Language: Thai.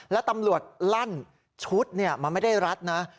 และตำรวจลั่นชุดมันไม่ได้รัดนะ